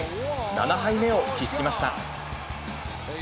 ７敗目を喫しました。